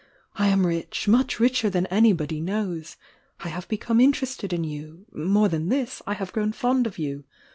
I am rich — much richer than anybody knows. I have become interested in you — more than Uiis, I have grown fond of you.